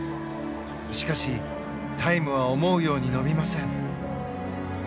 しかしタイムは思うように伸びません。